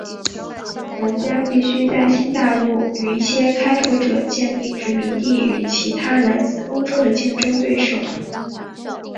玩家必须在新大陆与一些开拓者建立殖民地与其他来自欧洲的对手竞争。